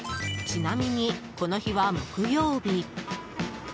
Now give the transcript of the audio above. ちなみに、この日は木曜日。